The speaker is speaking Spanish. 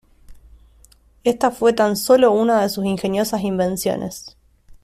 Esta fue tan solo una de sus ingeniosas invenciones.